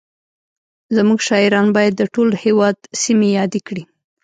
زموږ شاعران باید د ټول هېواد سیمې یادې کړي